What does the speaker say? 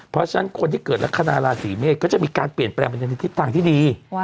เพราะฉะนั้นคนที่เกิดละคณะลาศรีเมษก็จะมีการเปลี่ยนแปลงมาจากที่ดี